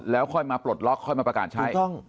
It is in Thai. แล้วค่อยมาปลดล็อกค่อยมาประกาศใช้